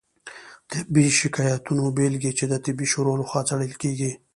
طبي شکایتونو بیلګې چې د طبي شورا لخوا څیړل کیږي